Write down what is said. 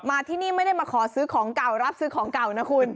ที่นี่ไม่ได้มาขอซื้อของเก่ารับซื้อของเก่านะคุณ